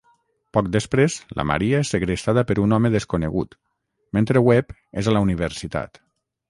Poc després, la Maria és segrestada per un home desconegut, mentre Webb és a la universitat.